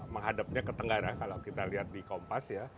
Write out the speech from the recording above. menghadapnya ke tenggara kalau kita lihat di kompas ya